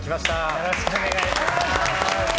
よろしくお願いします。